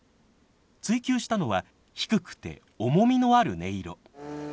追求したのは低くて重みのある音色。